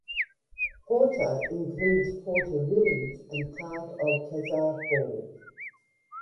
Porter includes Porter village and part of Kezar Falls.